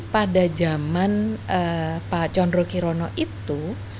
teman teman pak chondro kirono itu